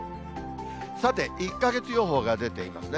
さて、１か月予報が出ていますね。